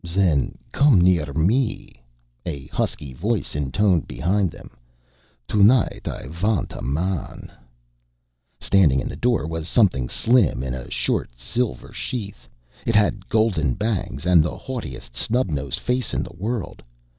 "Zen come near me," a husky voice intoned behind them. "Tonight I vant a man." Standing in the door was something slim in a short silver sheath. It had golden bangs and the haughtiest snub nosed face in the world.